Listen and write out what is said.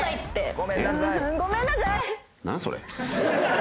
「ごめんなさい」。